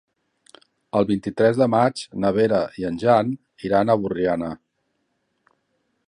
El vint-i-tres de maig na Vera i en Jan iran a Borriana.